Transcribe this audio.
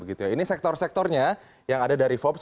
ini sektor sektornya yang ada dari forbes